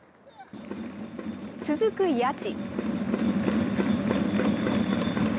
続く谷内。